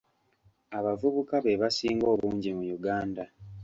Abavubuka be basinga obungi mu Uganda.